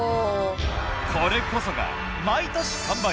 これこそが毎年完売。